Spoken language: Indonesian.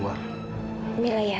bawa carpet nya senjata h